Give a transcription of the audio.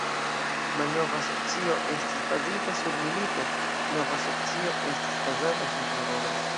Malnova socio estis bazita sur milito, nova socio estas bazata sur laboro.